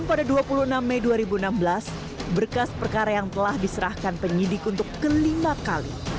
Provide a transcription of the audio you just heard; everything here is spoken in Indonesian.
pada dua puluh enam mei dua ribu enam belas berkas perkara yang telah diserahkan penyidik untuk kelima kali